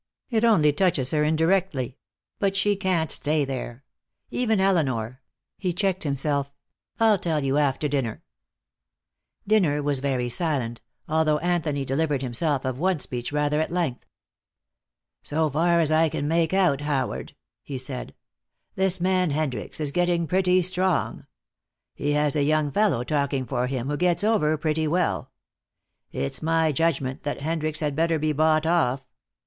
It only touches her indirectly. But she can't stay there. Even Elinor " he checked himself. "I'll tell you after dinner." Dinner was very silent, although Anthony delivered himself of one speech rather at length. "So far as I can make out, Howard," he said, "this man Hendricks is getting pretty strong. He has a young fellow talking for him who gets over pretty well. It's my judgment that Hendricks had better be bought off.